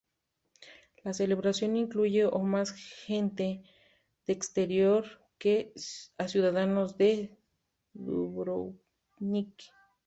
La celebración incluyó a más gente del exterior que a ciudadanos de Dubrovnik.